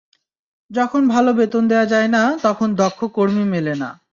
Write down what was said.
যখন ভালো বেতন দেওয়া যায় না, তখন দক্ষ কর্মী মেলে না।